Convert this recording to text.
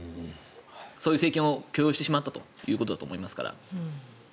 そういう政権を許容してしまったということだと思いますから。